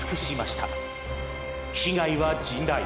被害は甚大。